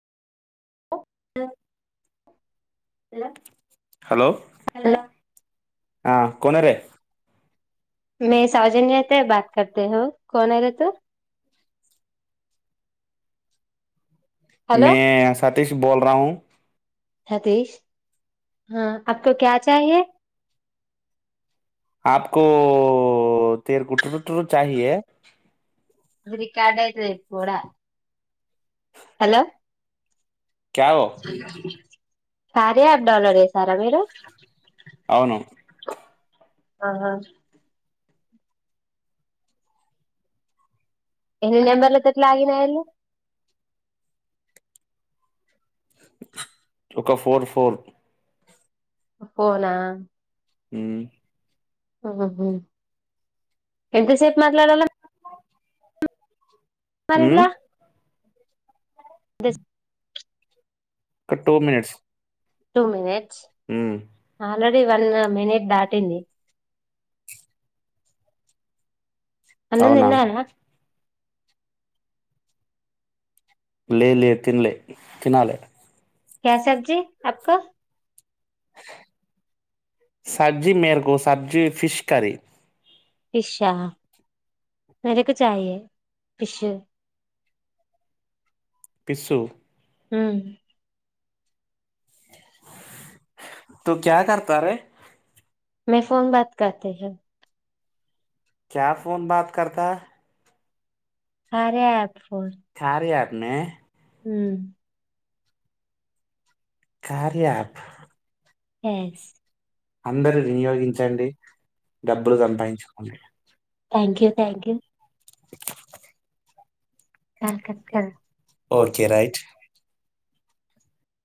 Hello hello మై సౌజన్య తే బాత్ కర్తే హో కౌన్ హై రేతూ. మై యహ్ సతీష్ బోల్ రాఊ సతీష్ హా ఆప్కో క్యా చాహియే. ఆప్కో తేర్కు టుర్ టుర్ చాహియే. ఇది రికార్డ అయితది. పోడా హలో కార్యా యాప్ డౌన్లోడ్ చేసార్ గవేర అవును ఆహా ఎన్ని నెంబర్లతోటి లాగిన్ అయ్యారు ఒక ఫోర్ ఫోర్ పోలా ఊ అహహా ఎంతసేపు మాట్లాడాల్ల [unintelligible] మరి ఎట్లా బెస్ క్ టు మినిట్స్ టూ మినిట్స్ ఉమ్, ఆల్రెడీ వన్ మినిట్ దాటింది. అన్నం అవునా తిన్నారా లే లే తిన్లే తినాలే క్యా సబ్జీ అప్కో సబ్జీ మెర్కు సబ్జీ ఫిష్ కర్రీ ఫిష్ ఆ మేరకో చాహియే ఫిష్ పిస్స్ మ్ ఉ తు క్యా కర్తా రే మే ఫోన్ బాత్ కార్తె హై క్యా ఫోన్ బత కత సరే ట్ ఫోన్ న్నే ఉ కార్యా యాప్ ఎస్ అందరు థ్యాంక్ వినియోగించండి. డబ్బులు సంపాదించుకోండి. You thank you call cut [inaudible] okay కర్ రైట్